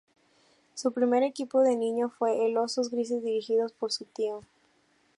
Su primer equipo de niño fue el Osos Grises dirigidos por su tío.